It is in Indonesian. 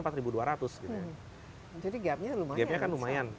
jadi gap nya lumayan